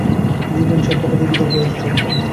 যোগেন, সব কথা বুঝিবার বয়স সব নয়।